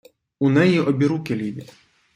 У неї обіруки ліві.